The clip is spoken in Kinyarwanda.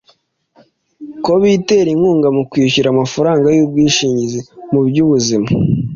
bo bitera inkunga mu kwishyura amafaranga y’ubwishingizi mu by’ubuzima.